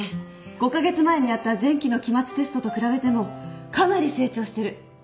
５カ月前にやった前期の期末テストと比べてもかなり成長してる。